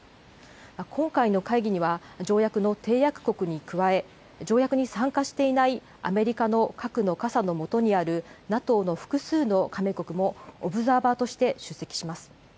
今回の会議には、条約の締約国に加え、条約に参加していないアメリカの核の傘の下にあるＮＡＴＯの複数の加盟国も、オブザーバーとして出席します。